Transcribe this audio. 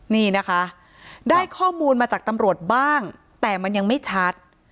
นี่นะคะได้ข้อมูลมาจากตำรวจบ้างแต่มันยังไม่ชัด